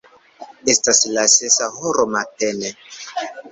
Estas la sesa horo matene.